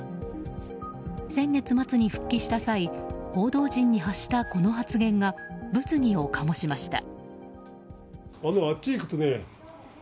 先月末に復帰した際報道陣に発したこの発言が物議を醸しました。